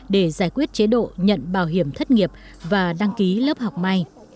để giải quyết chế độ nhận bảo hiểm thất nghiệp và đăng ký lớp học may